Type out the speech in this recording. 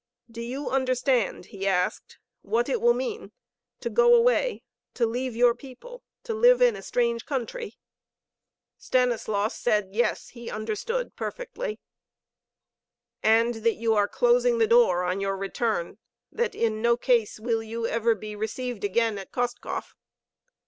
"Do you understand," he asked, "what it will mean to go away, to leave your people, to live in a strange country?" Stanislaus said, yes, he understood perfectly. "And that you are closing the door on your return, that in no case will you ever be received again at Kostkov?"